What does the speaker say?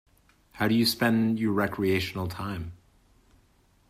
How do you spend your recreational time?